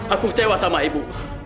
aku cewek sama ibu